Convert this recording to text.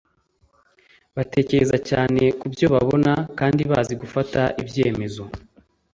batekereza cyane ku byo babona kandi bazi gufata ibyemezo